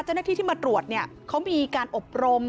เจ้าหน้าที่ที่มาตรวจเนี่ยเขามีการอบรม